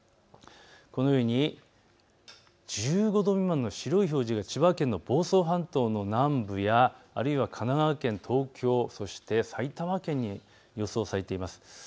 このように１５度未満の白い表示が千葉県の房総半島の南部やあるいは神奈川県、東京、埼玉県に予想されています。